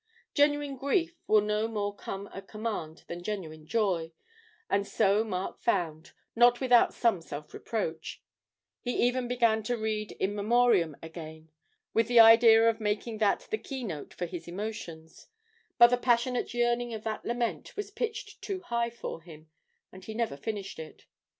Genuine grief will no more come at command than genuine joy, and so Mark found, not without some self reproach; he even began to read 'In Memoriam' again with the idea of making that the keynote for his emotions, but the passionate yearning of that lament was pitched too high for him, and he never finished it.